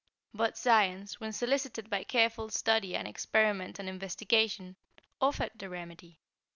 But science, when solicited by careful study and experiment and investigation, offered the remedy.